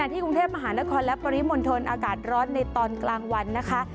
ที่กรุงเทพมหานครและปริมณฑลอากาศร้อนในตอนกลางวันนะคะ